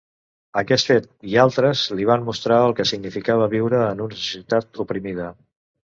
Aquest fet i altres li van mostrar el que significava viure en una societat oprimida.